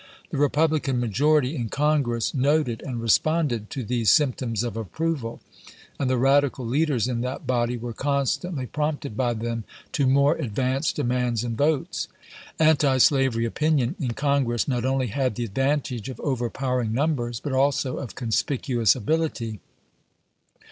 The Republican majority in Con gress noted and responded to these symptoms of approval, and the radical leaders in that body were constantly prompted by them to more advanced demands and votes. Antislavery opinion in Con gress not only had the advantage of overpowering numbers, but also of conspicuous ability.